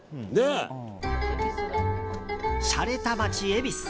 しゃれた街、恵比寿。